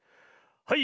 はい。